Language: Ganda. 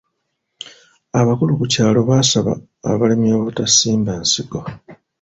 Abakulu ku kyalo baasaba abalimi obutasimba nsigo.